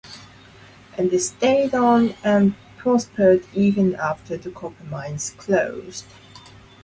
And they stayed on and prospered even after the copper mines closed.